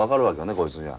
こいつには。